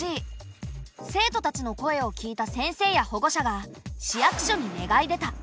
生徒たちの声を聞いた先生や保護者が市役所に願い出た。